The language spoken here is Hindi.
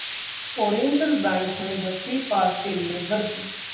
ऑरियन्टल बैंक में दसवीं पास के लिए भर्ती